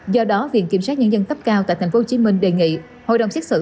do đó viện kiểm sát nhân dân cấp cao tại tp hcm đề nghị hội đồng xét xử